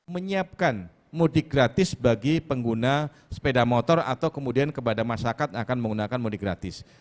menyiapkan mudik gratis bagi pengguna sepeda motor atau kemudian kepada masyarakat akan menggunakan mudik gratis